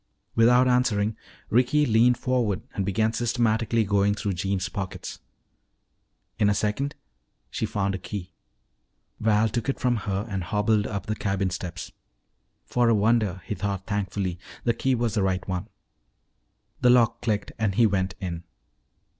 Without answering, Ricky leaned forward and began systematically going through Jeems' pockets. In the second she found a key. Val took it from her and hobbled up the cabin steps. For a wonder, he thought thankfully, the key was the right one. The lock clicked and he went in.